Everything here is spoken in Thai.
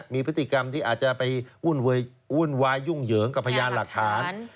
มีพฤติกรรมที่อาจจะไปวุ่นวายยุ่งเหยิงกับพยานหลักฐาน